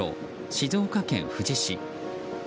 静岡県富士市。